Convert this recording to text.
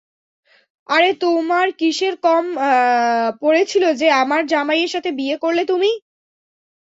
আরে তোমার কীসের কম পড়েছিলো যে আমার জামাই এর সাথে বিয়ে করলে তুমি?